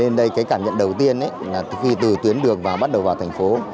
nên đây cái cảm nhận đầu tiên là khi từ tuyến đường vào bắt đầu vào thành phố